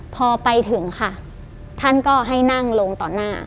พอไปถึงค่ะท่านก็ให้นั่งลงต่อหน้า